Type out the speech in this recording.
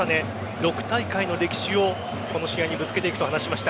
６大会の歴史をこの試合にぶつけていくと話しました。